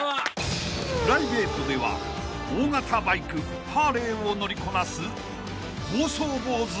［プライベートでは大型バイクハーレーを乗りこなす暴走坊主］